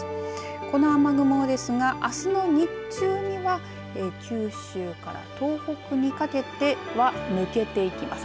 この雨雲ですが、あすの日中には九州から東北にかけては抜けていきます。